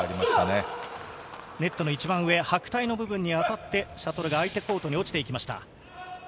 ネットの一番上、白帯の部分に当たってシャトルが相手のコートに落ちていきました。